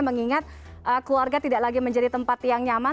mengingat keluarga tidak lagi menjadi tempat yang nyaman